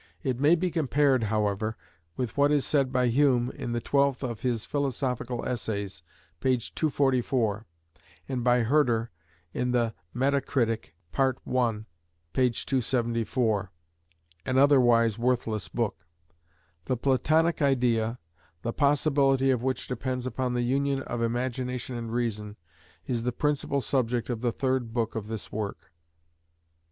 It may be compared, however, with what is said by Hume in the twelfth of his "Philosophical Essays," p. 244, and by Herder in the "Metacritik," pt. i. p. 274 (an otherwise worthless book). The Platonic idea, the possibility of which depends upon the union of imagination and reason, is the principal subject of the third book of this work.